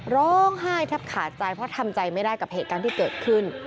ร้องไห้แทบขาดใจเพราะทำใจไม่ได้กับเหตุการณ์ที่เกิดขึ้น